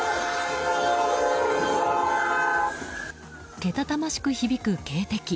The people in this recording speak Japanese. けたたましく響く警笛。